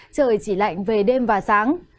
trời chỉ lạnh về đêm và sáng